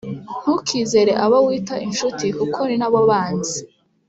ntukizere abo wita inshuti kuko ninabo banzi